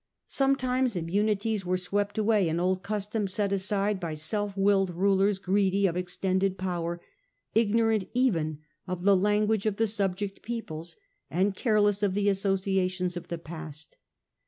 Some times immunities were swept away, and old customs set aside by self willed rulers greedy of extended power, ignorant even of the language of the subject peoples, and careless of the associations of the past.